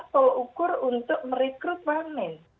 kita harus berusaha untuk merekrut wamen